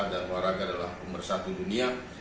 dan olahraga adalah umur satu dunia